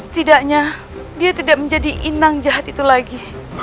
setidaknya dia tidak menjadi inang jahat itu lagi